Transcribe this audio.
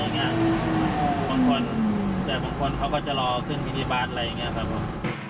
แต่บางคนเค้าก็จะรอขึ้นรถตู้บ้านอะไรอย่างนี้ครับครับผม